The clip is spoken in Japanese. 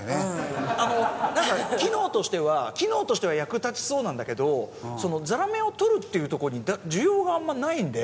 なんか機能としては機能としては役に立ちそうなんだけどザラメを取るっていうとこに需要があんまないんで。